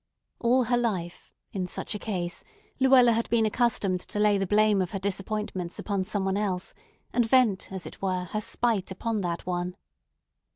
All her life, in such a case, Luella had been accustomed to lay the blame of her disappointments upon some one else, and vent, as it were, her spite upon that one.